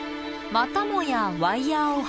またもやワイヤーを発見。